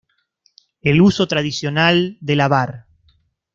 El uso tradicional de la var.